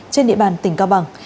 trên địa bàn tỉnh cao bằng